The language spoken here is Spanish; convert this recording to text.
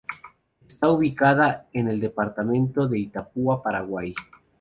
Está ubicada en el departamento de Itapúa, Paraguay.